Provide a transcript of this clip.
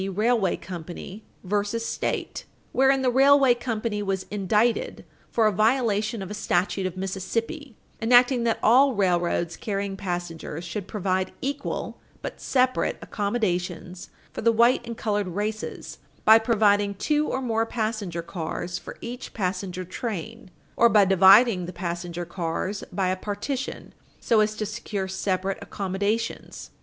Railway v. Mississippi, 133 U. S. 587, wherein the railway company was indicted for a violation of a statute of Mississippi enacting that all railroads carrying passengers should provide equal but separate accommodations for the white and colored races by providing two or more passenger cars for each passenger train, or by dividing the passenger cars by a partition so as to secure separate accommodations.